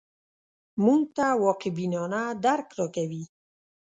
موږ ته واقع بینانه درک راکوي